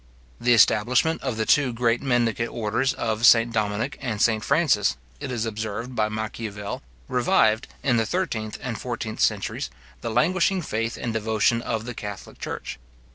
The establishment of the two great mendicant orders of St Dominic and St. Francis, it is observed by Machiavel, revived, in the thirteenth and fourteenth centuries, the languishing faith and devotion of the catholic church.